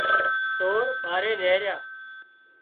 سور ٻاري نيهريا